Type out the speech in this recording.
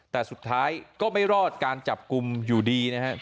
แต่สุดท้ายก็ไม่รอดการจับกลุ่มอยู่ดีนะครับ